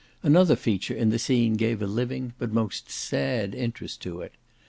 Another feature in the scene gave a living, but most sad interest to it.